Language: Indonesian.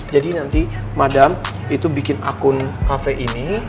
jadi nanti madem itu bikin akun kafe ini